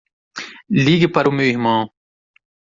Ligue para o meu irmão.